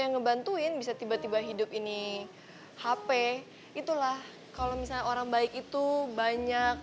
yang ngebantuin bisa tiba tiba hidup ini hp itulah kalau misalnya orang baik itu banyak